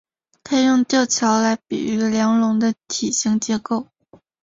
可以用吊桥来比喻梁龙的体型结构。